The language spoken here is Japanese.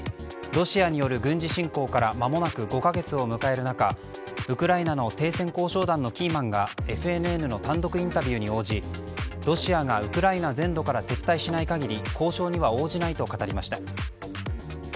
ロシアによる軍事侵攻からまもなく５か月を迎える中ウクライナの停戦交渉団のキーマンがＦＮＮの単独インタビューに応じロシアがウクライナ全土から撤退しない限り交渉には応じないと語りました。